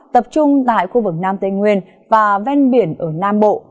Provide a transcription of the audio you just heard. tập trung tại khu vực nam tây nguyên và ven biển ở nam bộ